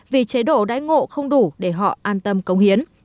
vì chế độ đáy ngộ không đủ để họ an tâm công hiến